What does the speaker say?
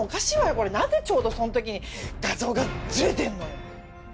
これ何でちょうどそん時に画像がずれてんのよ？